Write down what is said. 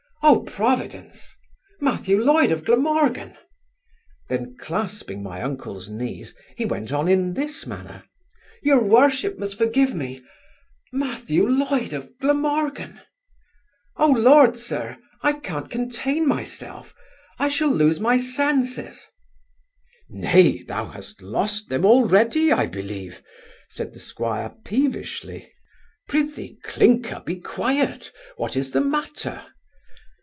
O Providence! Matthew Loyd of Glamorgan!' Then, clasping my uncle's knees, he went on in this manner 'Your worship must forgive me Matthew Loyd of Glamorgan! O Lord, Sir! I can't contain myself! I shall lose my senses' 'Nay, thou hast lost them already, I believe (said the 'squire, peevishly), prithee, Clinker, be quiet What is the matter?